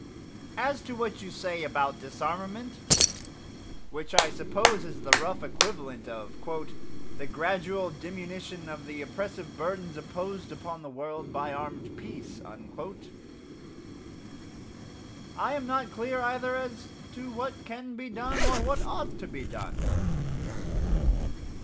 As to what you say about disarmament which I suppose is the rough equivalent of "the gradual diminution of the oppressive burdens imposed upon the world by armed peace" I am not clear either as to what can be done or what ought to be done.